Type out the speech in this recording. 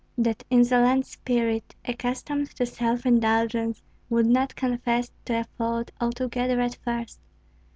That insolent spirit, accustomed to self indulgence, would not confess to a fault altogether at first.